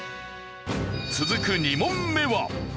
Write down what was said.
続く２問目は。